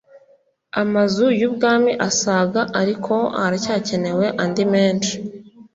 Amazu y Ubwami asaga ariko haracyakenewe andi menshi